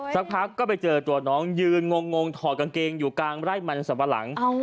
สักพักก็ไปเจอตัวน้องยืนงงถอดกางเกงอยู่กลางไร่มันสัมปะหลัง